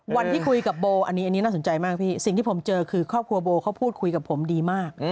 วันที่คุยกับโบอันนี้อันนี้น่าสนใจมากพี่สิ่งที่ผมเจอคือครอบครัวโบเขาพูดคุยกับผมดีมาก